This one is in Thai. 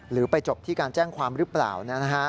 หรือไปจบที่การแจ้งความหรือเปล่า